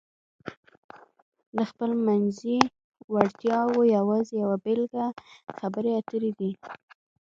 د خپلمنځي وړتیاو یوازې یوه بېلګه خبرې اترې دي.